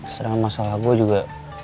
sementara masalah gue juga